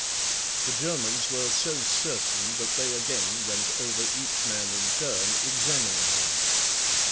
The Germans were so certain that they again went over each man in turn, examining him.